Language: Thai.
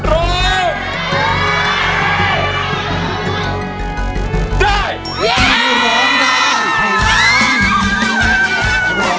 รู้